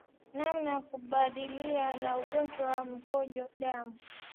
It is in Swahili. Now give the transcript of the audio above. Namna ya kukabiliana na ugonjwa wa mkojo damu